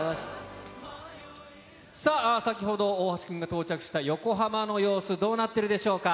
さあ、先ほど大橋君が到着した横浜の様子、どうなってるでしょうか。